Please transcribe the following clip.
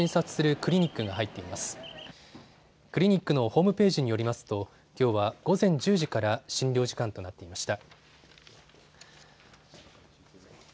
クリニックのホームページによりますときょうは午前１０時から診療時間となっていました。